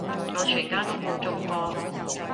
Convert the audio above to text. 我全家都冇中過